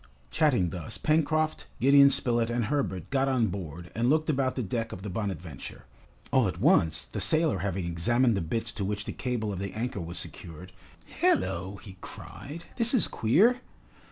Chatting thus, Pencroft, Gideon Spilett, and Herbert got on board and looked about the deck of the "Bonadventure." All at once, the sailor having examined the bitts to which the cable of the anchor was secured, "Hallo," he cried, "this is queer!"